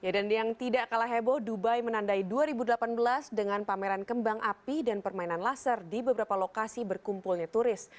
dan yang tidak kalah heboh dubai menandai dua ribu delapan belas dengan pameran kembang api dan permainan laser di beberapa lokasi berkumpulnya turis